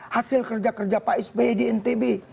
hasil kerja kerja pak sby di ntb